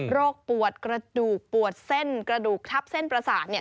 ปวดกระดูกปวดเส้นกระดูกทับเส้นประสาทเนี่ย